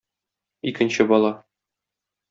Икенче бала.